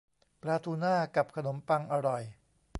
ปลาทูน่ากับขนมปังอร่อย